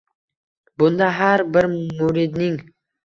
Bunda har bir muridning